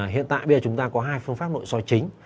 hiện tại bây giờ chúng ta có hai phương pháp nội soi chính